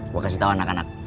gue kasih tau anak anak